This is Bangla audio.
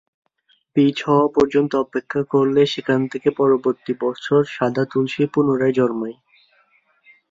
বীজ হওয়া পর্যন্ত অপেক্ষা করলে, সেখান থেকে পরবর্তী বছর সাদা তুলসী পুনরায় জন্মায়।